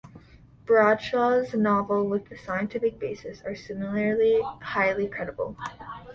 Bradshaw's novels with a scientific basis are similarly highly credible.